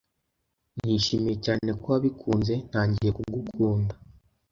nishimiye cyane ko wabikunze ntangiye kugukunda